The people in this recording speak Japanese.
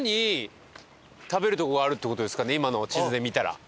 今の地図で見たら。